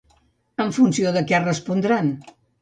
En funció de què respondran?